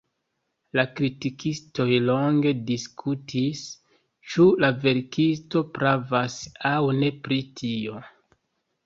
La kritikistoj longe diskutis, ĉu la verkisto pravas aŭ ne pri tio.